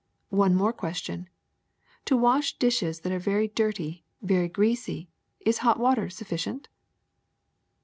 One more question : to wash dishes that are very dirty, very greasy, is hot water sufficient?"